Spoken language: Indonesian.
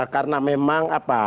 karena memang apa